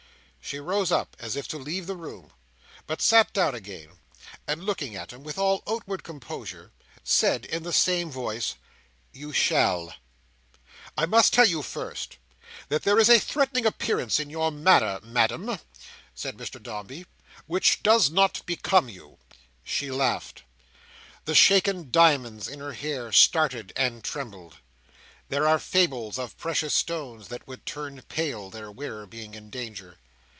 She rose up as if to leave the room; but sat down again, and looking at him with all outward composure, said, in the same voice: "You shall!" "I must tell you first, that there is a threatening appearance in your manner, Madam," said Mr Dombey, "which does not become you." She laughed. The shaken diamonds in her hair started and trembled. There are fables of precious stones that would turn pale, their wearer being in danger.